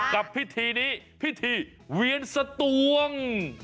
กับพิธีนี้พิธีเวียนสตวง